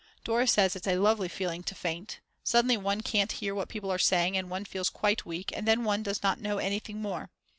Dora says it's a lovely feeling to faint. Suddenly one can't hear what people are saying and one feels quite weak and then one does not know anything more.